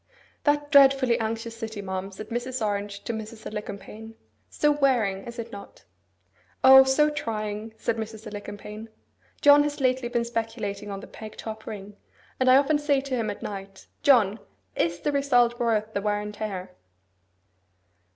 'That dreadfully anxious city, ma'am,' said Mrs. Orange to Mrs. Alicumpaine; 'so wearing, is it not?' 'O, so trying!' said Mrs. Alicumpaine. 'John has lately been speculating in the peg top ring; and I often say to him at night, "John, is the result worth the wear and tear?"